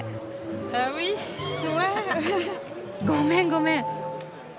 ごめんごめん。